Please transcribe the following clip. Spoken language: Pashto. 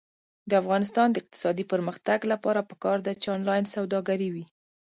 د افغانستان د اقتصادي پرمختګ لپاره پکار ده چې آنلاین سوداګري وي.